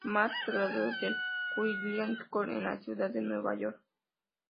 Matt se graduó del "Juilliard School" en la ciudad de Nueva York.